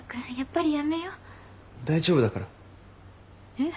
えっ？